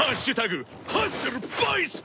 ハッスルバイス！